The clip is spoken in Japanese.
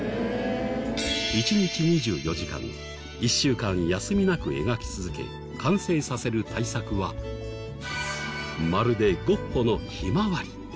１日２４時間１週間休みなく描き続け完成させる大作はまるでゴッホの『ひまわり』。